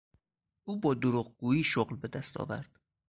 او با دروغگویی شغل بدست آورد.